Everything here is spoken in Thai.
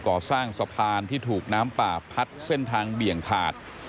ก่อสร้างสะพานที่ถูกน้ำป่าพัดเส้นทางเบี่ยงขาด